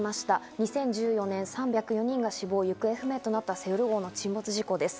２０１４年、３０４人が死亡・行方不明となったセウォル号の沈没事故です。